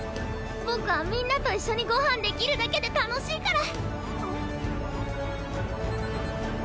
僕はみんなと一緒にご飯できるだけで楽しいから。